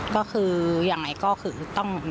ก็คือยังไงก็คือต้อง